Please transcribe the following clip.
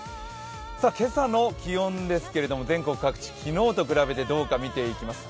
今朝の気温ですけれども、全国各地昨日と比べて見ていきます。